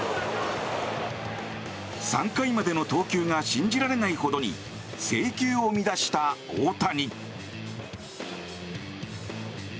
３回までの投球が信じられないほどに制球を乱した大谷。